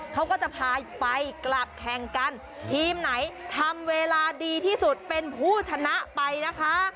เขาก็จะพาไปกลับแข่งกันทีมไหนทำเวลาดีที่สุดเป็นผู้ชนะไปนะคะ